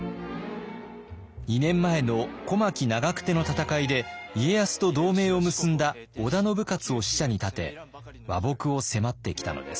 ２年前の小牧・長久手の戦いで家康と同盟を結んだ織田信雄を使者に立て和睦を迫ってきたのです。